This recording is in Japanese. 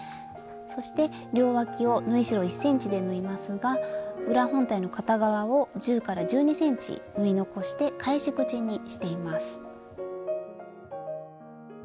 そして両わきを縫い代１ｃｍで縫いますが裏本体の片側を１０１２ｃｍ縫い残して返し口にしています。